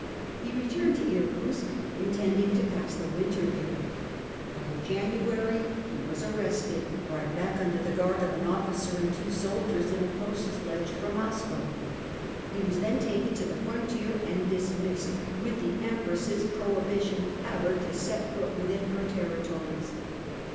He returned to Irkutsk, intending to pass the winter there. But in Januaiy ho was arrested, brought back under the guard of an officer and two soldiers in a post sledge for Moscow. He was then taken to the frontier and dismissed, with the Empress's prohibition ever again to sot foot within her territories.